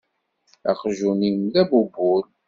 Aqjun-im d abubul.